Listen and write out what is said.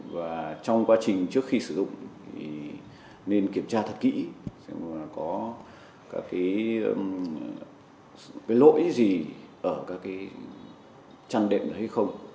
và trong quá trình trước khi sử dụng thì nên kiểm tra thật kỹ xem có cái lỗi gì ở các cái trang đệm này hay không